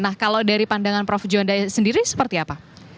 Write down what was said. nah kalau dari pandangan prof juwanda sendiri seperti apa